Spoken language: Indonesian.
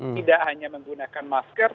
tidak hanya menggunakan masker